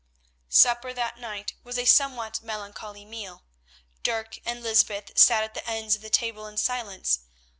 Supper that night was a somewhat melancholy meal. Dirk and Lysbeth sat at the ends of the table in silence.